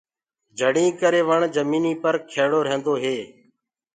پهآڙينٚ ڪري وڻ جميٚنيٚ پر کيڙو رهيندو هي۔